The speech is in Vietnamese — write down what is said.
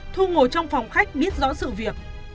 thu ngồi trong phòng khách biết rõ sự việc